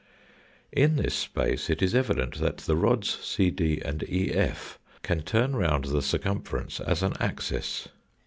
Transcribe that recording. In this space it is evident that the rods CD and EF can turn round the circumference as an axis.